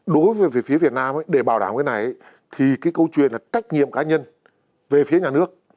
đối với phía việt nam để bảo đảm cái này thì cái câu chuyện là trách nhiệm cá nhân về phía nhà nước